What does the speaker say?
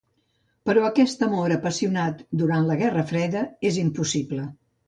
Però aquest amor apassionat, durant la guerra freda, és impossible.